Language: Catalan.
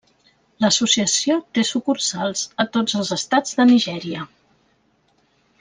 L'associació té sucursals a tots els estats de Nigèria.